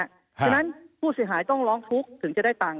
เพราะฉะนั้นผู้เสียหายต้องร้องทุกข์ถึงจะได้ตังค์